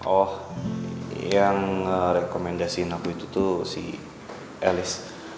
oh yang ngerekomendasiin aku itu tuh si elis